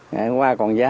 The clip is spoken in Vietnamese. ngày hôm qua còn giá năm